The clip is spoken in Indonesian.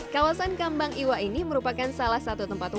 kawasan kambang iwa ini merupakan salah satu tempat wisata